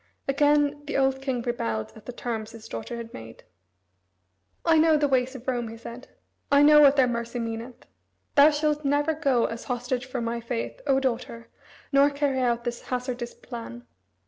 Again the old king rebelled at the terms his daughter had made. "I know the ways of Rome," he said. "I know what their mercy meaneth. Thou shalt never go as hostage for my faith, O daughter, nor carry out this hazardous plan."